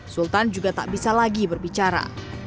sultan juga tak bisa lagi berbicara